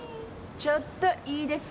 ちょっといいですか？